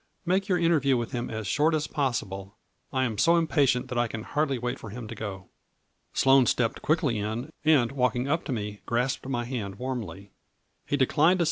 Make your interview with him as short as possible. I am so impatient that I can hardly wait for him to go." Sloane stepped quickly in, and, walking up to me, grasped my hand warmly. He declined a A FLURRY IN DIAMONDS.